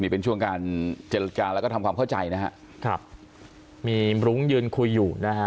เป็นช่วงการเจรจาแล้วก็ทำความเข้าใจนะฮะครับมีรุ้งยืนคุยอยู่นะฮะ